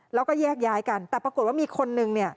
แล้วก็แยกย้ายกันแต่ปรากฏว่ามีคนนึงเนี่ย